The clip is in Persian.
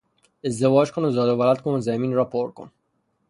ازدواج کن و زاد و ولد کن و زمین را پر کن!